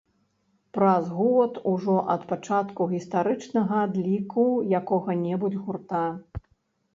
Праз год ужо ад пачатку гістарычнага адліку якога-небудзь гурта.